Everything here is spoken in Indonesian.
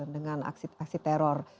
dengan aksi teror